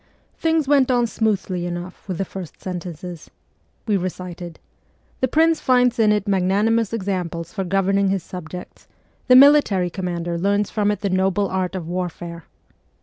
Things went on smoothly enough with the first sentences. We recited :' The prince finds in it magnanimous examples for governing his subjects ; the military commander learns from it the noble art of warfare.'